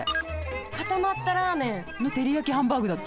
固まったラーメン。の照り焼きハンバーグだって。